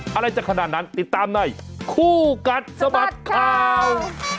อะไรจะขนาดนั้นติดตามในคู่กัดสะบัดข่าว